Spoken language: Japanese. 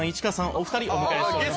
お二人お迎えしております。